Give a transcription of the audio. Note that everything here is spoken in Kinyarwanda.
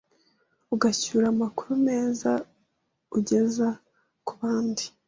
ugacyura amakuru meza ugeza ku bandi